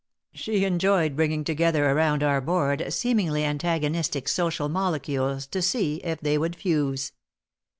She enjoyed bringing together around our board seemingly antagonistic social molecules to see if they would fuse.